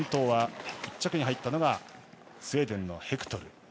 １着に入ったのがスウェーデンのヘクトル。